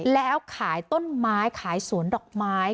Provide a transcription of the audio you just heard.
แล้วขายต้นไม้ขายสวนดอกไม้